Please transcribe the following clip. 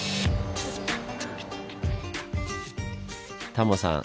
タモさん